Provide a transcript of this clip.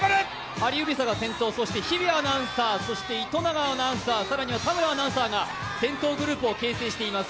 ハリウリサが先頭、更には糸永アナウンサー、田村アナウンサーが先頭グループを形成しています。